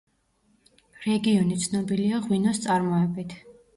რეგიონი ცნობილია ღვინოს წარმოებით.